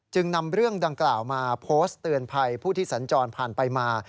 นำเรื่องดังกล่าวมาโพสต์เตือนภัยผู้ที่สัญจรผ่านไปมา